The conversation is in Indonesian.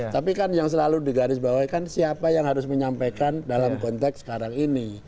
tapi kan yang selalu digarisbawahi kan siapa yang harus menyampaikan dalam konteks sekarang ini